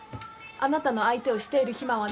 あなたの相手をしている暇は。